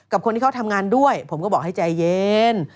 คนที่เขาทำงานด้วยผมก็บอกให้ใจเย็น